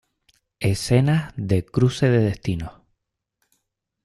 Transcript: Escenas de "Cruce de destinos"